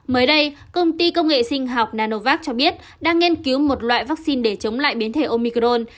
mới đây công ty công nghệ sinh học nanovac cho biết đang nghiên cứu một loại vaccine để chống lại biến thể omicron